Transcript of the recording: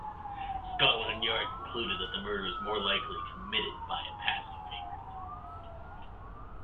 Scotland Yard concluded that the murder was more likely committed by a passing vagrant.